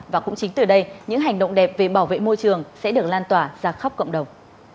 và cũng chính từ đây những hành động đẹp về bảo vệ môi trường sẽ được lan tỏa ra khắp cộng đồng